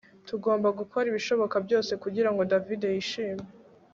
Tugomba gukora ibishoboka byose kugirango David yishime